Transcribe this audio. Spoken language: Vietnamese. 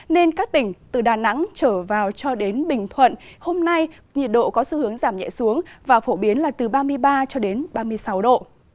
nên các tỉnh từ đà nẵng trở vào cho đến bình thuận hôm nay nhiệt độ có xu hướng giảm nhẹ xuống và phổ biến là từ ba mươi ba ba mươi sáu độ